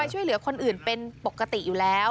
ช่วยเหลือคนอื่นเป็นปกติอยู่แล้ว